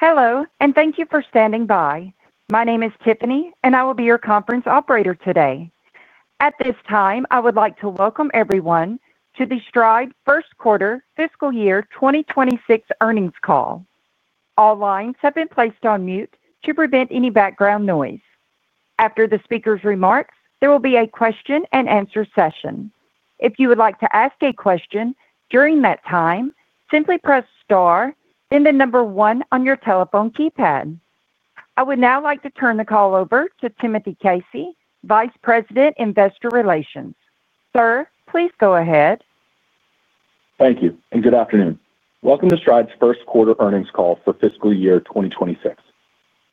Hello, and thank you for standing by. My name is Tiffany, and I will be your conference operator today. At this time, I would like to welcome everyone to the Stride first quarter fiscal year 2026 earnings call. All lines have been placed on mute to prevent any background noise. After the speaker's remarks, there will be a question and answer session. If you would like to ask a question during that time, simply press star and the number one on your telephone keypad. I would now like to turn the call over to Timothy Casey, Vice President, Investor Relations. Sir, please go ahead. Thank you, and good afternoon. Welcome to Stride's first quarter earnings call for fiscal year 2026.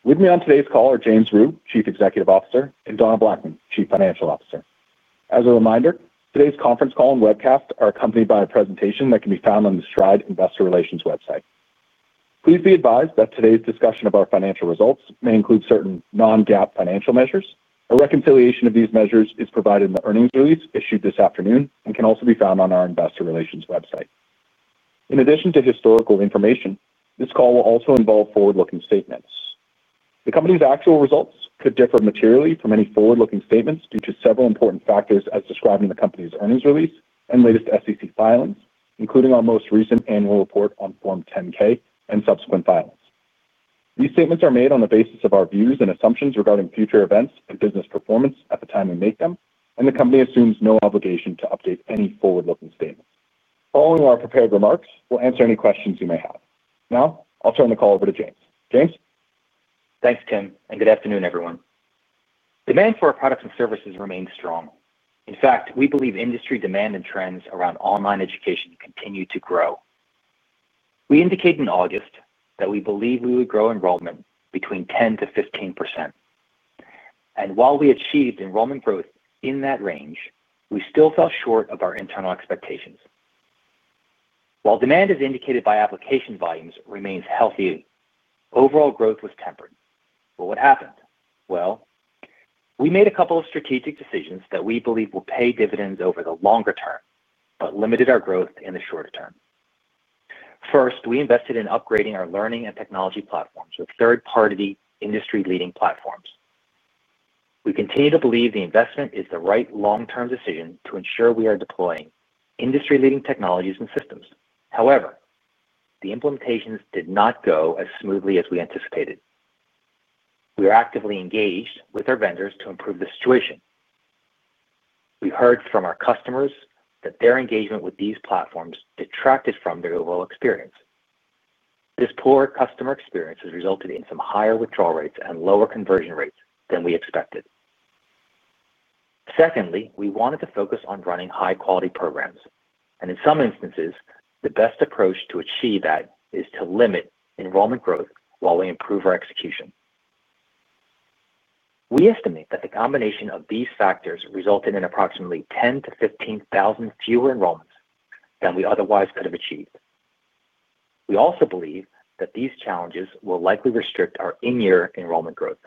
With me on today's call are James Rhyu, Chief Executive Officer, and Donna Blackman, Chief Financial Officer. As a reminder, today's conference call and webcast are accompanied by a presentation that can be found on the Stride Investor Relations website. Please be advised that today's discussion of our financial results may include certain non-GAAP financial measures. A reconciliation of these measures is provided in the earnings release issued this afternoon and can also be found on our Investor Relations website. In addition to historical information, this call will also involve forward-looking statements. The company's actual results could differ materially from any forward-looking statements due to several important factors as described in the company's earnings release and latest SEC filings, including our most recent annual report on Form 10-K and subsequent filings. These statements are made on the basis of our views and assumptions regarding future events and business performance at the time we make them, and the company assumes no obligation to update any forward-looking statements. Following our prepared remarks, we'll answer any questions you may have. Now, I'll turn the call over to James. James. Thanks, Tim, and good afternoon, everyone. Demand for our products and services remains strong. In fact, we believe industry demand and trends around online education continue to grow. We indicated in August that we believe we would grow enrollment between 10%-15%. While we achieved enrollment growth in that range, we still fell short of our internal expectations. While demand as indicated by application volumes remains healthy, overall growth was tempered. What happened? We made a couple of strategic decisions that we believe will pay dividends over the longer term, but limited our growth in the shorter term. First, we invested in upgrading our learning and technology platforms with third-party industry-leading platforms. We continue to believe the investment is the right long-term decision to ensure we are deploying industry-leading technologies and systems. However, the implementations did not go as smoothly as we anticipated. We are actively engaged with our vendors to improve the situation. We heard from our customers that their engagement with these platforms detracted from their overall experience. This poor customer experience has resulted in some higher withdrawal rates and lower conversion rates than we expected. Secondly, we wanted to focus on running high-quality programs. In some instances, the best approach to achieve that is to limit enrollment growth while we improve our execution. We estimate that the combination of these factors resulted in approximately 10,000-15,000 fewer enrollments than we otherwise could have achieved. We also believe that these challenges will likely restrict our in-year enrollment growth.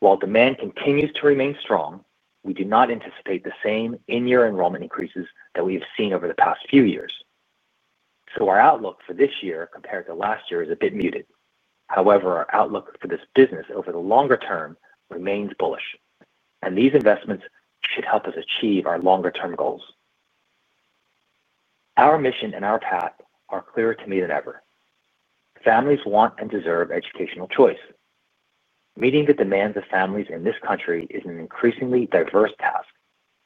While demand continues to remain strong, we do not anticipate the same in-year enrollment increases that we have seen over the past few years. Our outlook for this year compared to last year is a bit muted. However, our outlook for this business over the longer term remains bullish. These investments should help us achieve our longer-term goals. Our mission and our path are clearer to me than ever. Families want and deserve educational choice. Meeting the demands of families in this country is an increasingly diverse task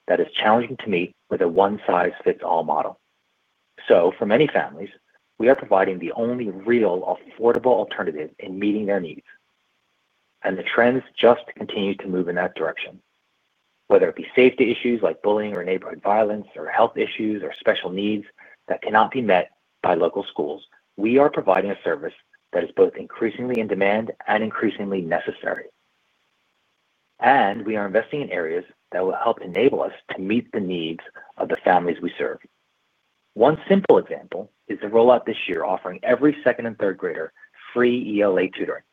that is challenging to meet with a one-size-fits-all model. For many families, we are providing the only real affordable alternative in meeting their needs. The trends just continue to move in that direction. Whether it be safety issues like bullying or neighborhood violence, or health issues or special needs that cannot be met by local schools, we are providing a service that is both increasingly in demand and increasingly necessary. We are investing in areas that will help enable us to meet the needs of the families we serve. One simple example is the rollout this year offering every second and third grader free ELA tutoring.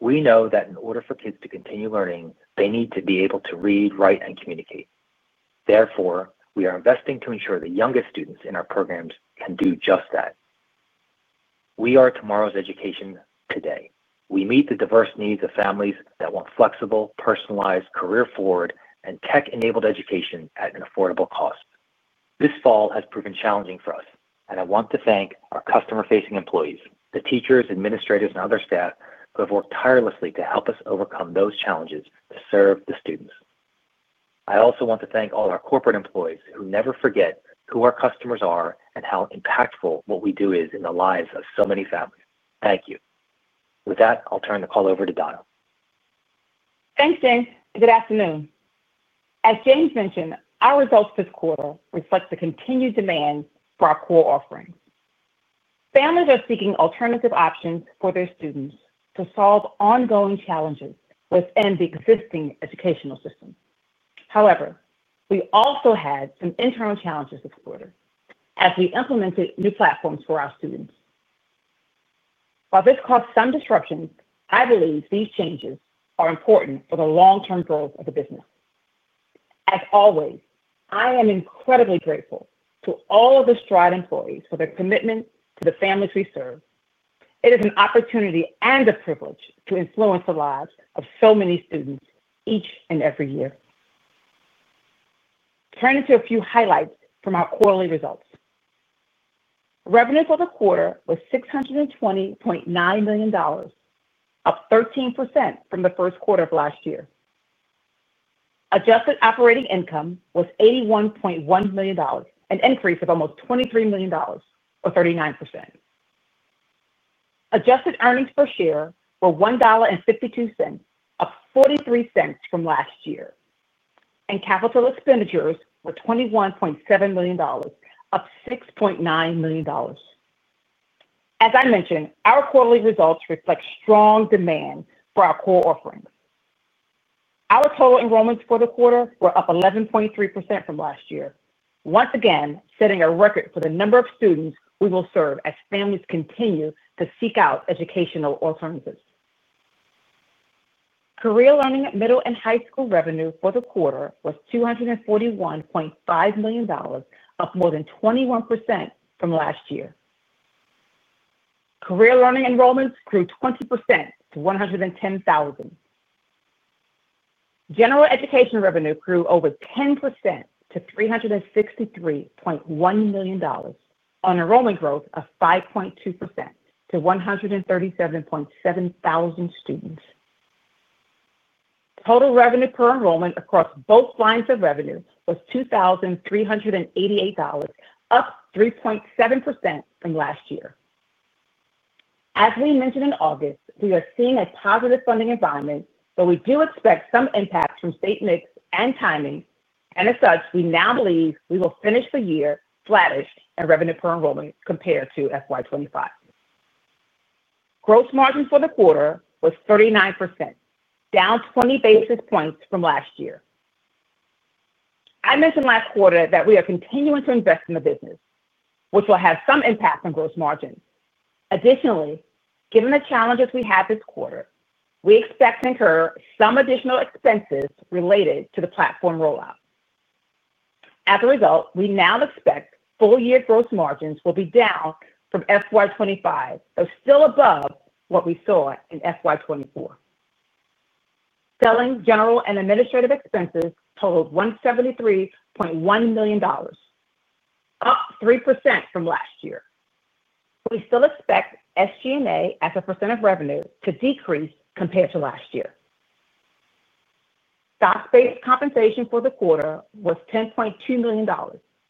We know that in order for kids to continue learning, they need to be able to read, write, and communicate. Therefore, we are investing to ensure the youngest students in our programs can do just that. We are tomorrow's education today. We meet the diverse needs of families that want flexible, personalized, career-forward, and tech-enabled education at an affordable cost. This fall has proven challenging for us. I want to thank our customer-facing employees, the teachers, administrators, and other staff who have worked tirelessly to help us overcome those challenges to serve the students. I also want to thank all our corporate employees who never forget who our customers are and how impactful what we do is in the lives of so many families. Thank you. With that, I'll turn the call over to Donna. Thanks, James. Good afternoon. As James mentioned, our results this quarter reflect the continued demand for our core offerings. Families are seeking alternative options for their students to solve ongoing challenges within the existing educational system. However, we also had some internal challenges this quarter as we implemented new platforms for our students. While this caused some disruptions, I believe these changes are important for the long-term growth of the business. As always, I am incredibly grateful to all of the Stride employees for their commitment to the families we serve. It is an opportunity and a privilege to influence the lives of so many students each and every year. Turning to a few highlights from our quarterly results. Revenue for the quarter was $620.9 million, up 13% from the first quarter of last year. Adjusted operating income was $81.1 million, an increase of almost $23 million, or 39%. Adjusted earnings per share were $1.52, up $0.43 from last year. Capital expenditures were $21.7 million, up $6.9 million. As I mentioned, our quarterly results reflect strong demand for our core offerings. Our total enrollments for the quarter were up 11.3% from last year, once again setting a record for the number of students we will serve as families continue to seek out educational alternatives. Career Learning middle and high school revenue for the quarter was $241.5 million, up more than 21% from last year. Career Learning enrollments grew 20% to 110,000. General Education revenue grew over 10% to $363.1 million on enrollment growth of 5.2% to 137,700 students. Total revenue per enrollment across both lines of revenue was $2,388, up 3.7% from last year. As we mentioned in August, we are seeing a positive funding environment, but we do expect some impact from state mix and timing. As such, we now believe we will finish the year flattish in revenue per enrollment compared to fiscal year 2025. Gross margins for the quarter was 39%, down 20 basis points from last year. I mentioned last quarter that we are continuing to invest in the business, which will have some impact on gross margins. Additionally, given the challenges we had this quarter, we expect to incur some additional expenses related to the platform rollout. As a result, we now expect full-year gross margins will be down from fiscal year 2025, though still above what we saw in fiscal year 2024. Selling, general and administrative expenses totaled $173.1 million, up 3% from last year. We still expect SG&A as a percent of revenue to decrease compared to last year. Stock-based compensation for the quarter was $10.2 million,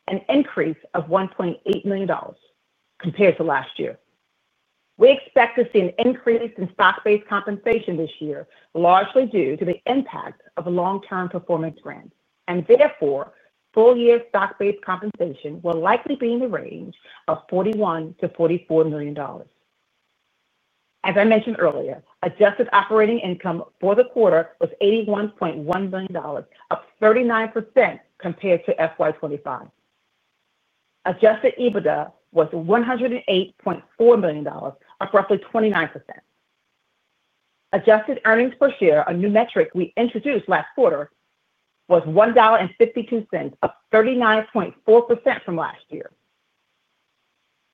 an increase of $1.8 million compared to last year. We expect to see an increase in stock-based compensation this year, largely due to the impact of long-term performance grants. Therefore, full-year stock-based compensation will likely be in the range of $41 million-$44 million. As I mentioned earlier, adjusted operating income for the quarter was $81.1 million, up 39% compared to fiscal year 2025. Adjusted EBITDA was $108.4 million, up roughly 29%. Adjusted earnings per share, a new metric we introduced last quarter, was $1.52, up 39.4% from last year.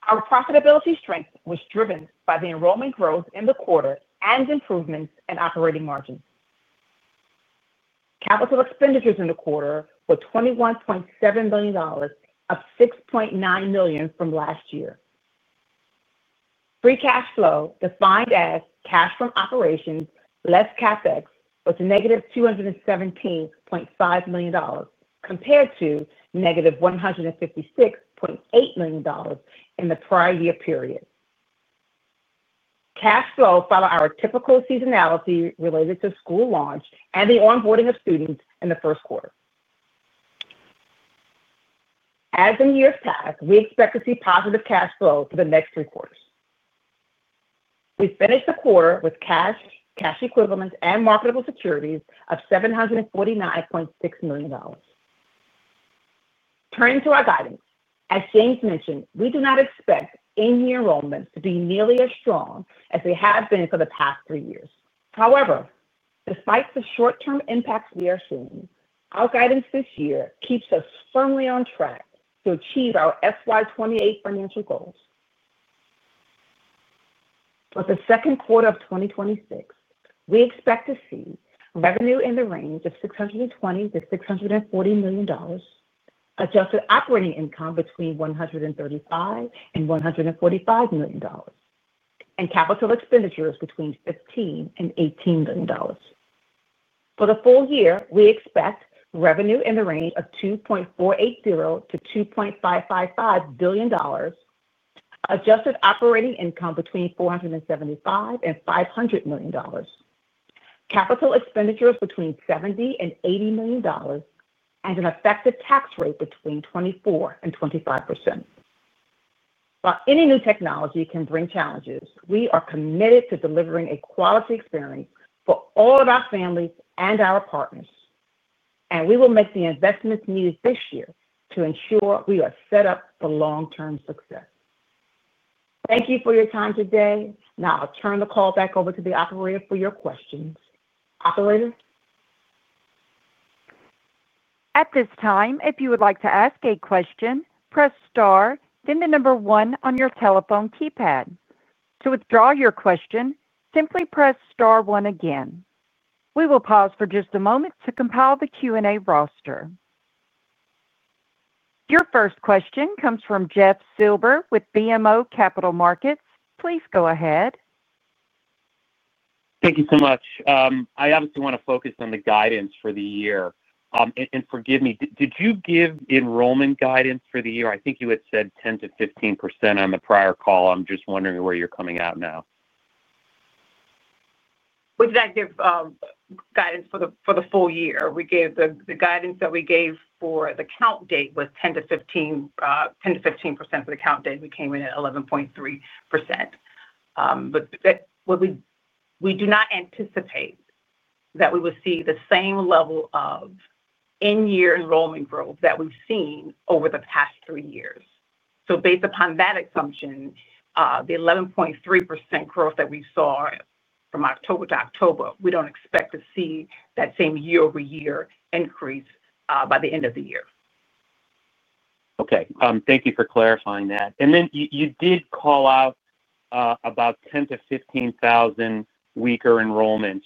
Our profitability strength was driven by the enrollment growth in the quarter and improvements in operating margins. Capital expenditures in the quarter were $21.7 million, up $6.9 million from last year. Free cash flow, defined as cash from operations less CapEx, was -$217.5 million compared to -$156.8 million in the prior year period. Cash flow followed our typical seasonality related to school launch and the onboarding of students in the first quarter. As in years past, we expect to see positive cash flow for the next three quarters. We finished the quarter with cash, cash equivalents, and marketable securities of $749.6 million. Turning to our guidance, as James mentioned, we do not expect in-year enrollments to be nearly as strong as they have been for the past three years. However, despite the short-term impacts we are seeing, our guidance this year keeps us firmly on track to achieve our fiscal year 2028 financial goals. For the second quarter of 2026, we expect to see revenue in the range of $620-$640 million, adjusted operating income between $135 and $145 million, and capital expenditures between $15 and $18 million. For the full year, we expect revenue in the range of $2.480 billion-$2.555 billion, adjusted operating income between $475 and $500 million, capital expenditures between $70 and $80 million, and an effective tax rate between 24% and 25%. While any new technology can bring challenges, we are committed to delivering a quality experience for all of our families and our partners. We will make the investments needed this year to ensure we are set up for long-term success. Thank you for your time today. Now, I'll turn the call back over to the operator for your questions. Operator? At this time, if you would like to ask a question, press star, then the number one on your telephone keypad. To withdraw your question, simply press star one again. We will pause for just a moment to compile the Q&A roster. Your first question comes from Jeffrey Silber with BMO Capital Markets. Please go ahead. Thank you so much. I obviously want to focus on the guidance for the year. Forgive me, did you give enrollment guidance for the year? I think you had said 10%-15% on the prior call. I'm just wondering where you're coming out now. We did not give guidance for the full year. We gave the guidance that we gave for the count date was 10%-15% for the count date. We came in at 11.3%. We do not anticipate that we will see the same level of in-year enrollment growth that we've seen over the past three years. Based upon that assumption, the 11.3% growth that we saw from October to October, we don't expect to see that same year-over-year increase by the end of the year. Okay. Thank you for clarifying that. You did call out about 10,000-15,000 weaker enrollments,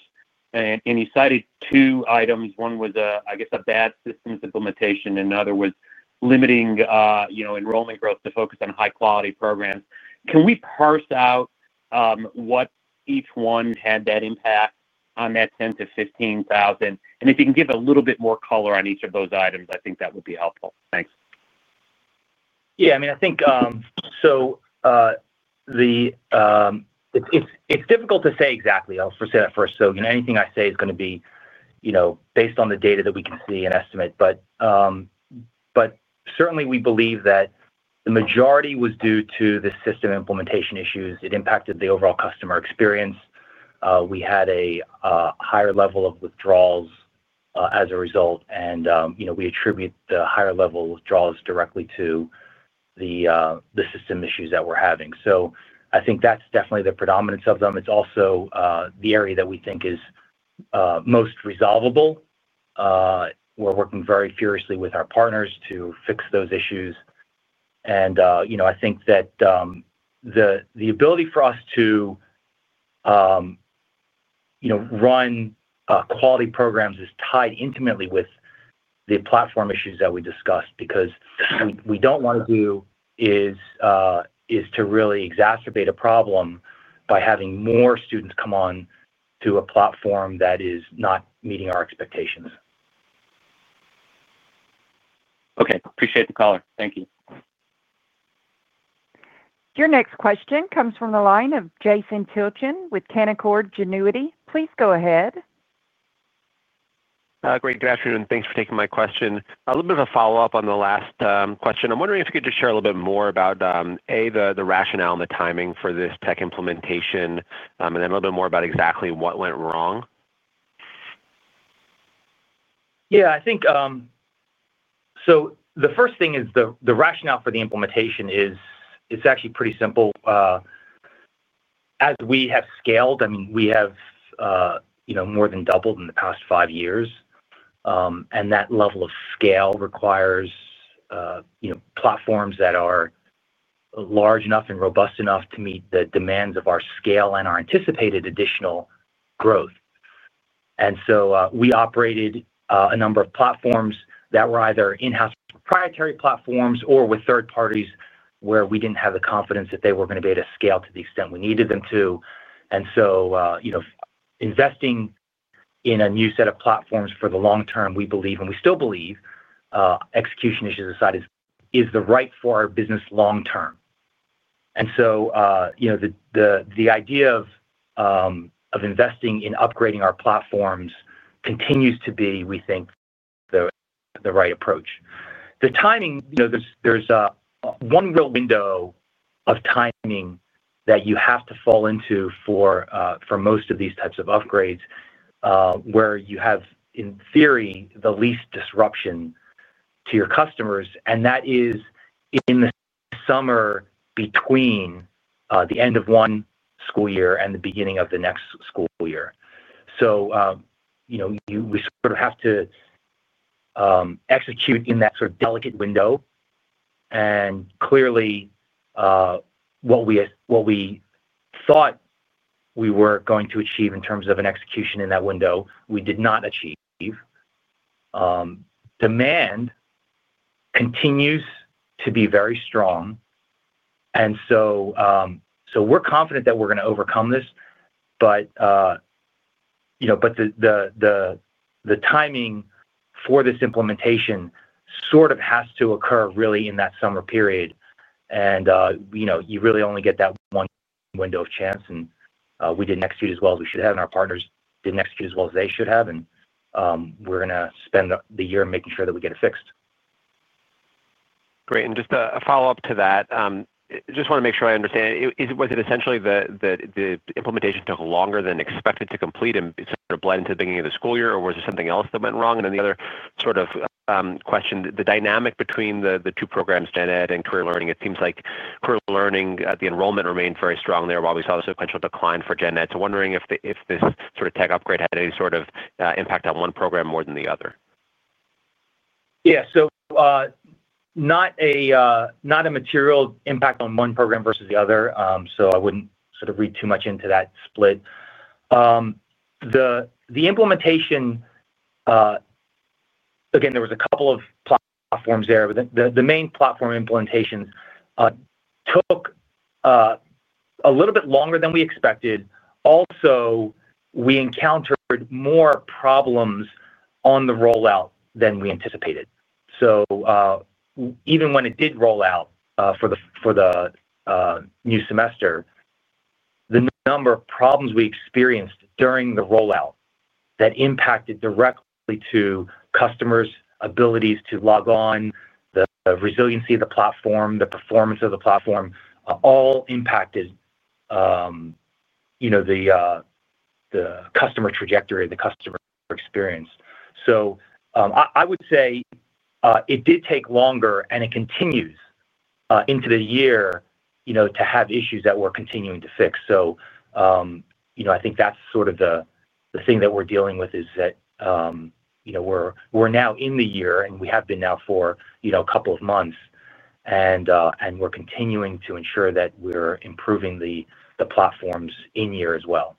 and you cited two items. One was, I guess, a bad platform implementation, and the other was limiting enrollment growth to focus on high-quality programs. Can we parse out what each one had that impact on that 10,000-15,000? If you can give a little bit more color on each of those items, I think that would be helpful. Thanks. Yeah, I mean, I think it's difficult to say exactly. I'll first say that. You know, anything I say is going to be based on the data that we can see and estimate. But certainly, we believe that the majority was due to the system implementation issues. It impacted the overall customer experience. We had a higher level of withdrawals as a result. You know, we attribute the higher level of withdrawals directly to the system issues that we're having. I think that's definitely the predominance of them. It's also the area that we think is most resolvable. We're working very furiously with our partners to fix those issues. You know, I think that the ability for us to run quality programs is tied intimately with the platform issues that we discussed because what we don't want to do is to really exacerbate a problem by having more students come on to a platform that is not meeting our expectations. Okay. Appreciate the call. Thank you. Your next question comes from the line of Jason Tilchen with Canaccord Genuity. Please go ahead. Great. Good afternoon. Thanks for taking my question. A little bit of a follow-up on the last question. I'm wondering if you could just share a little bit more about, A, the rationale and the timing for this tech implementation, and then a little bit more about exactly what went wrong. Yeah, I think the first thing is the rationale for the implementation is it's actually pretty simple. As we have scaled, I mean, we have more than doubled in the past five years, and that level of scale requires platforms that are large enough and robust enough to meet the demands of our scale and our anticipated additional growth. We operated a number of platforms that were either in-house proprietary platforms or with third parties where we didn't have the confidence that they were going to be able to scale to the extent we needed them to. Investing in a new set of platforms for the long term, we believe, and we still believe, execution issues aside, is the right thing for our business long term. The idea of investing in upgrading our platforms continues to be, we think, the right approach. The timing, there's one real window of timing that you have to fall into for most of these types of upgrades, where you have, in theory, the least disruption to your customers. That is in the summer between the end of one school year and the beginning of the next school year. You sort of have to execute in that delicate window. Clearly, what we thought we were going to achieve in terms of execution in that window, we did not achieve. Demand continues to be very strong. We're confident that we're going to overcome this. The timing for this implementation sort of has to occur really in that summer period. You really only get that one window of chance. We didn't execute as well as we should have, and our partners didn't execute as well as they should have. We're going to spend the year making sure that we get it fixed. Great. Just a follow-up to that. I just want to make sure I understand. Was it essentially the implementation took longer than expected to complete and it sort of bled into the beginning of the school year, or was there something else that went wrong? The other sort of question, the dynamic between the two programs, General Education and Career Learning, it seems like Career Learning, the enrollment remained very strong there while we saw the sequential decline for General Education. I'm wondering if this sort of tech upgrade had any sort of impact on one program more than the other. Yeah. Not a material impact on one program versus the other. I wouldn't sort of read too much into that split. The implementation, again, there was a couple of platforms there. The main platform implementations took a little bit longer than we expected. Also, we encountered more problems on the rollout than we anticipated. Even when it did roll out for the new semester, the number of problems we experienced during the rollout impacted directly customers' abilities to log on, the resiliency of the platform, the performance of the platform, all impacted the customer trajectory, the customer experience. I would say it did take longer, and it continues into the year to have issues that we're continuing to fix. I think that's sort of the thing that we're dealing with is that we're now in the year, and we have been now for a couple of months. We're continuing to ensure that we're improving the platforms in year as well.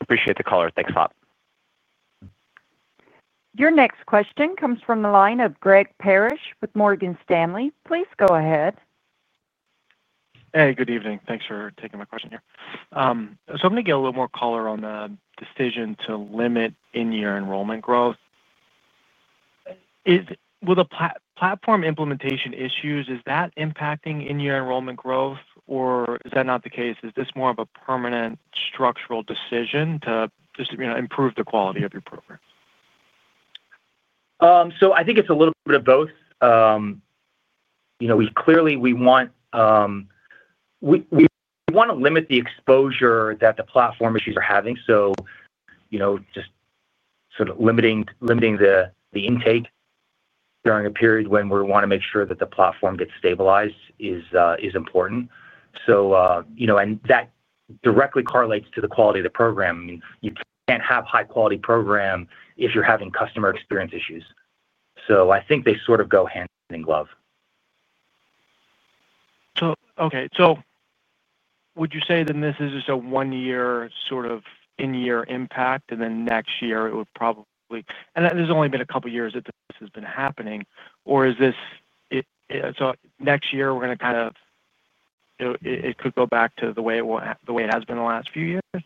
Appreciate the call. Thanks a lot. Your next question comes from the line of Greg Parrish with Morgan Stanley. Please go ahead. Hey, good evening. Thanks for taking my question here. I'm going to get a little more color on the decision to limit in-year enrollment growth. Will the platform implementation issues, is that impacting in-year enrollment growth, or is that not the case? Is this more of a permanent structural decision to just, you know, improve the quality of your program? I think it's a little bit of both. We clearly want to limit the exposure that the platform issues are having. Just sort of limiting the intake during a period when we want to make sure that the platform gets stabilized is important, and that directly correlates to the quality of the program. I mean, you can't have a high-quality program if you're having customer experience issues. I think they sort of go hand in glove. Would you say then this is just a one-year sort of in-year impact, and then next year it would probably, and that there's only been a couple of years that this has been happening, or is this, next year we're going to kind of, it could go back to the way it has been in the last few years?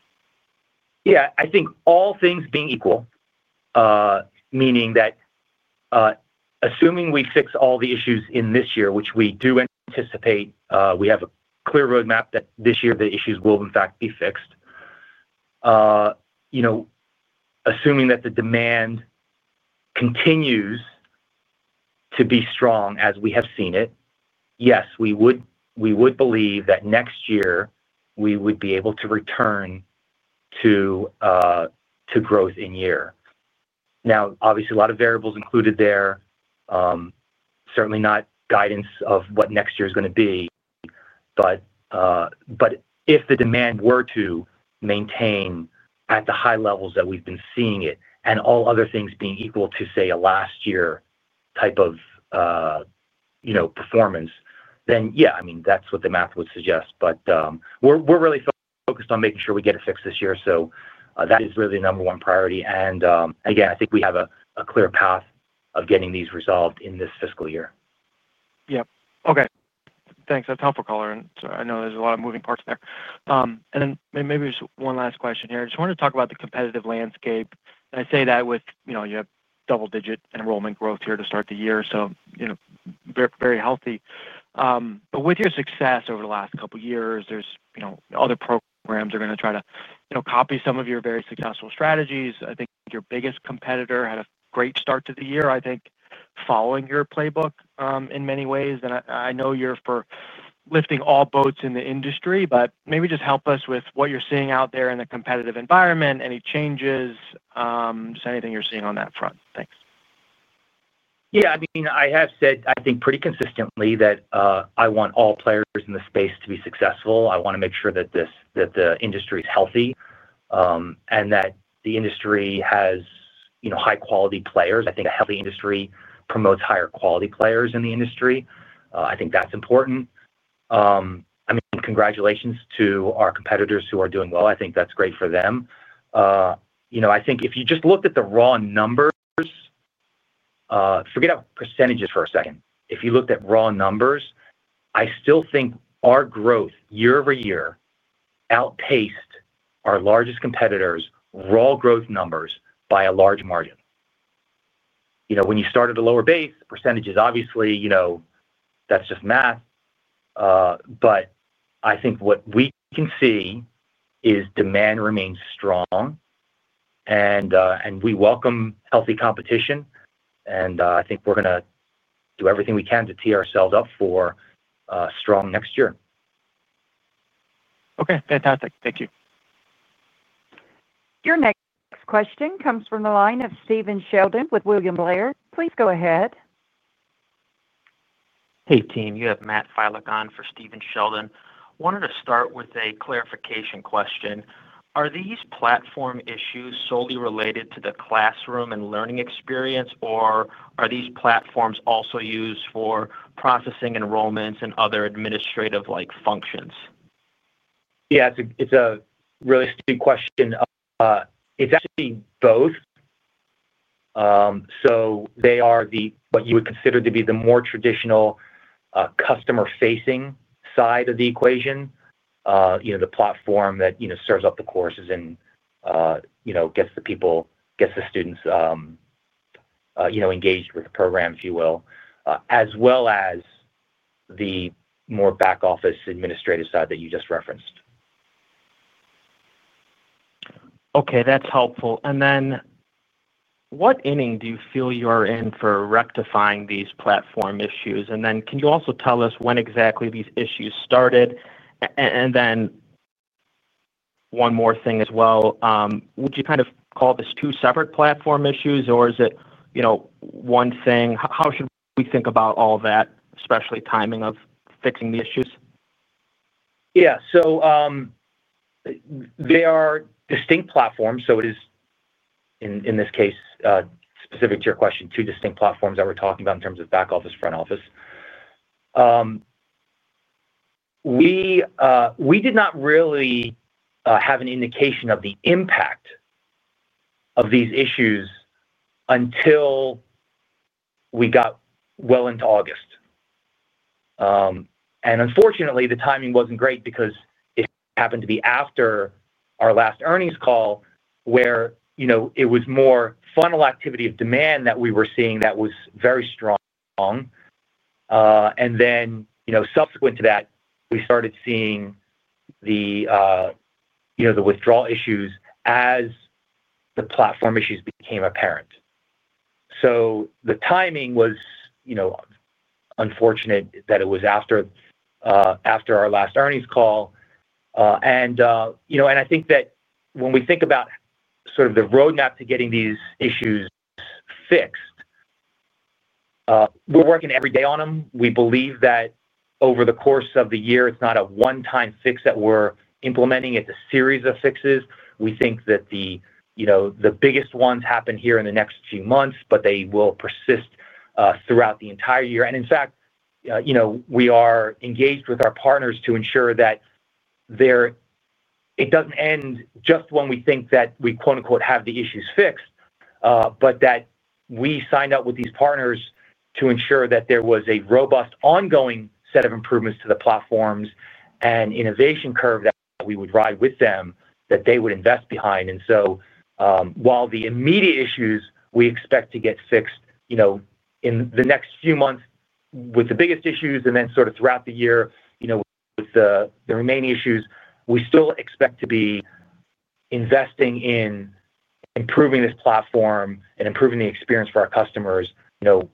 Yeah. I think all things being equal, meaning that assuming we fix all the issues in this year, which we do anticipate, we have a clear roadmap that this year the issues will, in fact, be fixed. Assuming that the demand continues to be strong as we have seen it, yes, we would believe that next year we would be able to return to growth in year. Obviously, a lot of variables included there, certainly not guidance of what next year is going to be. If the demand were to maintain at the high levels that we've been seeing it and all other things being equal to, say, a last-year type of performance, then yeah, that's what the math would suggest. We're really focused on making sure we get it fixed this year. That is really the number one priority. Again, I think we have a clear path of getting these resolved in this fiscal year. Okay. Thanks. That's helpful, caller. I know there's a lot of moving parts there. Maybe just one last question here. I just wanted to talk about the competitive landscape. I say that with, you know, you have double-digit enrollment growth here to start the year, very healthy. With your success over the last couple of years, there's other programs that are going to try to copy some of your very successful strategies. I think your biggest competitor had a great start to the year, I think, following your playbook in many ways. I know you're for lifting all boats in the industry, but maybe just help us with what you're seeing out there in the competitive environment, any changes, just anything you're seeing on that front. Thanks. Yeah. I mean, I have said, I think, pretty consistently that I want all players in the space to be successful. I want to make sure that the industry is healthy and that the industry has high-quality players. I think a healthy industry promotes higher-quality players in the industry. I think that's important. Congratulations to our competitors who are doing well. I think that's great for them. If you just looked at the raw numbers, forget about percentage for a second. If you looked at raw numbers, I still think our growth year over year outpaced our largest competitors' raw growth numbers by a large margin. When you start at a lower base, percentage is obviously, you know, that's just math. I think what we can see is demand remains strong. We welcome healthy competition. I think we're going to do everything we can to tee ourselves up for a strong next year. Okay. Fantastic. Thank you. Your next question comes from the line of Steven Sheldon with William Blair. Please go ahead. Hey, team. You have Matt Fylock on for Steven Sheldon. Wanted to start with a clarification question. Are these platform issues solely related to the classroom and learning experience, or are these platforms also used for processing enrollments and other administrative functions? Yeah. It's a really stupid question. It's actually both. They are what you would consider to be the more traditional customer-facing side of the equation. The platform serves up the courses and gets the people, gets the students engaged with the program, if you will, as well as the more back-office administrative side that you just referenced. Okay. That's helpful. What inning do you feel you are in for rectifying these platform issues? Can you also tell us when exactly these issues started? One more thing as well, would you kind of call this two separate platform issues, or is it one thing? How should we think about all that, especially timing of fixing the issues? Yeah. They are distinct platforms. It is, in this case, specific to your question, two distinct platforms that we're talking about in terms of back office, front office. We did not really have an indication of the impact of these issues until we got well into August. Unfortunately, the timing wasn't great because it happened to be after our last earnings call where it was more funnel activity of demand that we were seeing that was very strong. Subsequent to that, we started seeing the withdrawal issues as the platform issues became apparent. The timing was unfortunate that it was after our last earnings call. I think that when we think about sort of the roadmap to getting these issues fixed, we're working every day on them. We believe that over the course of the year, it's not a one-time fix that we're implementing. It's a series of fixes. We think that the biggest ones happen here in the next few months, but they will persist throughout the entire year. In fact, we are engaged with our partners to ensure that it doesn't end just when we think that we, quote-unquote, "have the issues fixed," but that we signed up with these partners to ensure that there was a robust ongoing set of improvements to the platforms and innovation curve that we would ride with them, that they would invest behind. While the immediate issues we expect to get fixed in the next few months with the biggest issues and then throughout the year with the remaining issues, we still expect to be investing in improving this platform and improving the experience for our customers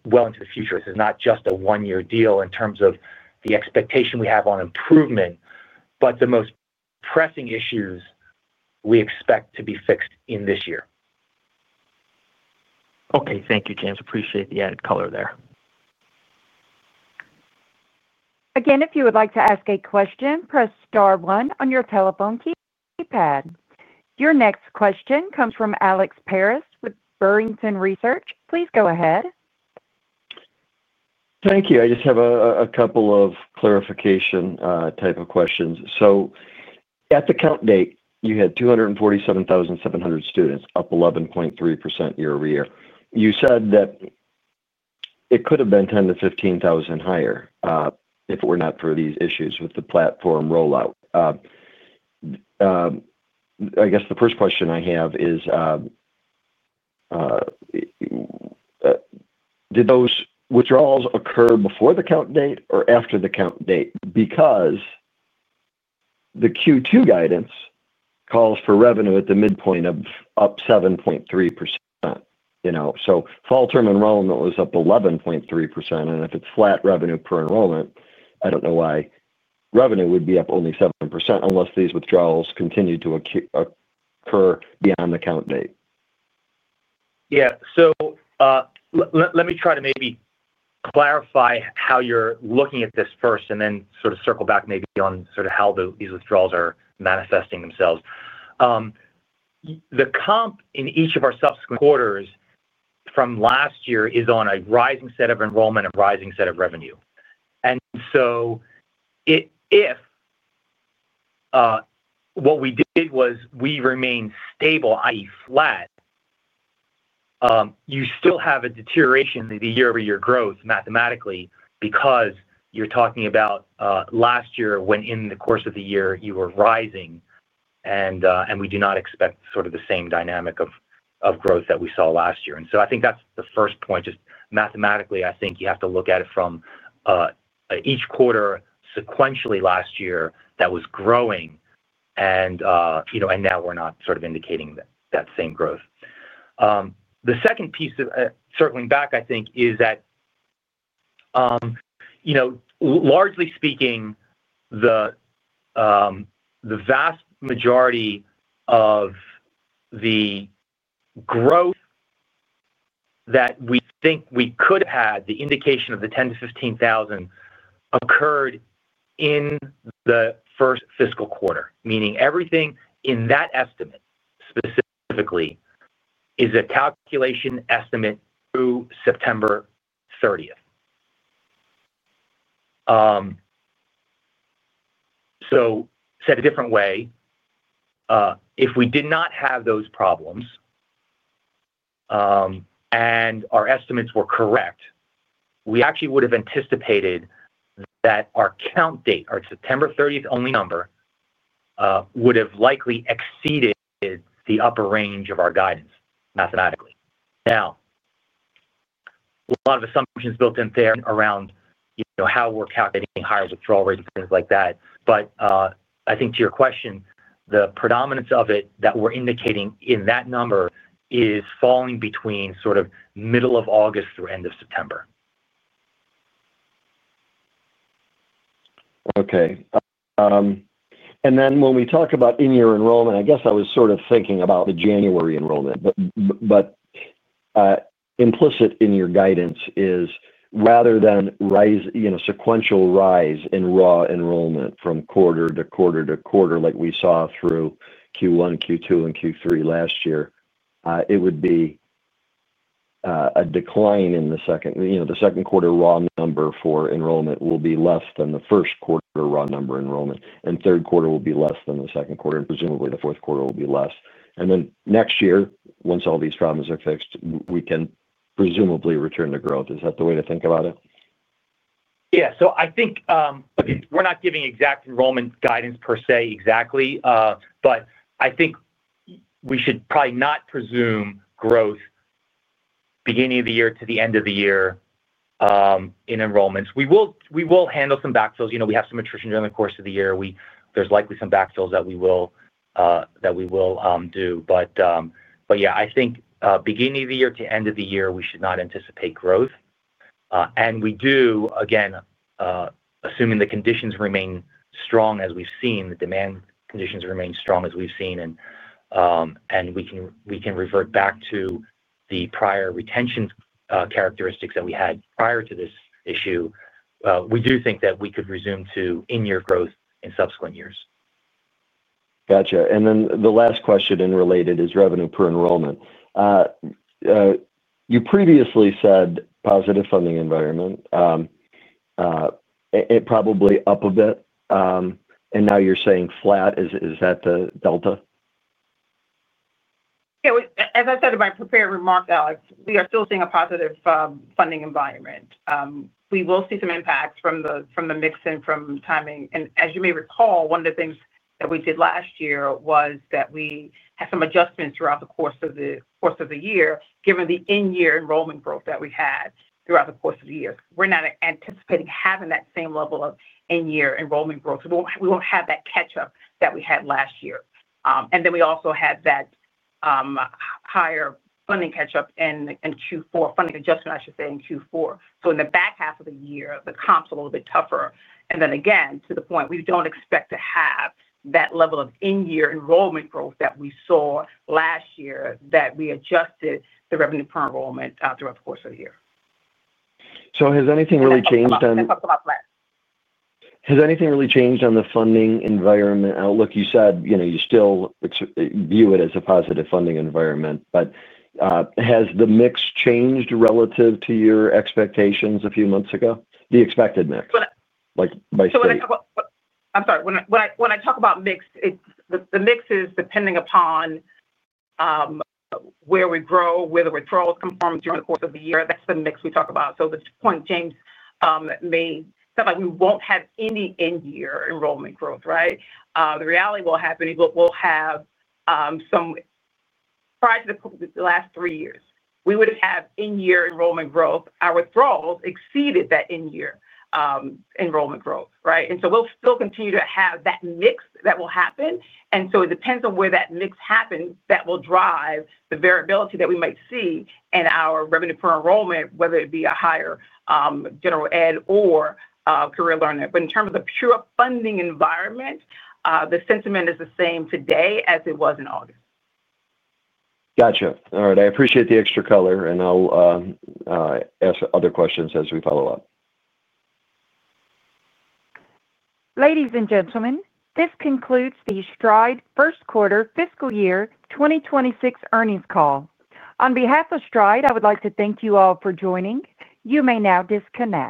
well into the future. This is not just a one-year deal in terms of the expectation we have on improvement, but the most pressing issues we expect to be fixed in this year. Okay. Thank you, James. Appreciate the added color there. Again, if you would like to ask a question, press star one on your telephone keypad. Your next question comes from Alex Parrish with Barrington Research. Please go ahead. Thank you. I just have a couple of clarification type of questions. At the count date, you had 247,700 students, up 11.3% year-over-year. You said that it could have been 10,000-15,000 higher if it were not for these issues with the platform rollout. The first question I have is, did those withdrawals occur before the count date or after the count date? Because the Q2 guidance calls for revenue at the midpoint of up 7.3%. Fall term enrollment was up 11.3%. If it's flat revenue per enrollment, I don't know why revenue would be up only 7% unless these withdrawals continue to occur beyond the count date. Let me try to maybe clarify how you're looking at this first and then sort of circle back maybe on how these withdrawals are manifesting themselves. The comp in each of our subsequent quarters from last year is on a rising set of enrollments and rising set of revenue. If what we did was we remain stable, i.e., flat, you still have a deterioration in the year-over-year growth mathematically because you're talking about last year when in the course of the year, you were rising. We do not expect sort of the same dynamic of growth that we saw last year. I think that's the first point. Just mathematically, I think you have to look at it from each quarter sequentially last year that was growing. You know, now we're not sort of indicating that same growth. The second piece of circling back, I think, is that, you know, largely speaking, the vast majority of the growth that we think we could have had, the indication of the 10-15 thousand occurred in the first fiscal quarter, meaning everything in that estimate specifically is a calculation estimate through September 30th, 2023. Said a different way, if we did not have those problems and our estimates were correct, we actually would have anticipated that our count date, our September 30th only number, would have likely exceeded the upper range of our guidance mathematically. A lot of assumptions built in there around, you know, how we're calculating higher withdrawal rates and things like that. I think to your question, the predominance of it that we're indicating in that number is falling between sort of middle of August through end of September. Okay. When we talk about in-year enrollment, I guess I was sort of thinking about the January enrollment. Implicit in your guidance is rather than a sequential rise in raw enrollment from quarter to quarter to quarter like we saw through Q1, Q2, and Q3 last year, it would be a decline. The second quarter raw number for enrollment will be less than the first quarter raw number enrollment. The third quarter will be less than the second quarter, and presumably the fourth quarter will be less. Next year, once all these problems are fixed, we can presumably return to growth. Is that the way to think about it? Yeah. So I think we're not giving exact enrollment guidance per se exactly. I think we should probably not presume growth beginning of the year to the end of the year in enrollments. We will handle some backfills. We have some attrition during the course of the year. There's likely some backfills that we will do. I think beginning of the year to end of the year, we should not anticipate growth. We do, again, assuming the conditions remain strong as we've seen, the demand conditions remain strong as we've seen, and we can revert back to the prior retention characteristics that we had prior to this issue. We do think that we could resume to in-year growth in subsequent years. Gotcha. The last question and related is revenue per enrollment. You previously said positive funding environment. It probably up a bit. Now you're saying flat. Is that the delta? Yeah. As I said in my prepared remark, Alex, we are still seeing a positive funding environment. We will see some impacts from the mix and from timing. As you may recall, one of the things that we did last year was that we had some adjustments throughout the course of the year, given the in-year enrollment growth that we had throughout the course of the year. We're not anticipating having that same level of in-year enrollment growth. We won't have that catch-up that we had last year. We also had that higher funding catch-up in Q4 funding adjustment, I should say, in Q4. In the back half of the year, the comp's a little bit tougher. To the point, we don't expect to have that level of in-year enrollment growth that we saw last year that we adjusted the revenue per enrollment throughout the course of the year. Has anything really changed on? We talked about flat. Has anything really changed on the funding environment outlook? You said you still view it as a positive funding environment. Has the mix changed relative to your expectations a few months ago, the expected mix? When I talk about mix, the mix is depending upon where we grow, where the withdrawals come from during the course of the year. That's the mix we talk about. The point James made sounds like we won't have any in-year enrollment growth, right? The reality we'll have is we'll have some prior to the last three years. We would have in-year enrollment growth. Our withdrawals exceeded that in-year enrollment growth, right? We'll still continue to have that mix that will happen. It depends on where that mix happens that will drive the variability that we might see in our revenue per enrollment, whether it be a higher General Education or Career Learning. In terms of the pure funding environment, the sentiment is the same today as it was in August. Gotcha. All right. I appreciate the extra color, and I'll ask other questions as we follow up. Ladies and gentlemen, this concludes the Stride first quarter fiscal year 2026 earnings call. On behalf of Stride, I would like to thank you all for joining. You may now disconnect.